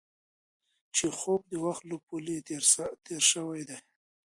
چیخوف د وخت له پولې تېر شوی دی.